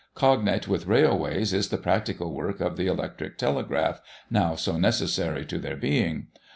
Cognate with railways is the practical working of the Electric Telegraph, now so necessary to their being.